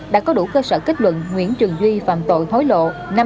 đã có đủ cơ sở kết luận nguyễn trường duy phạm tội hối lộ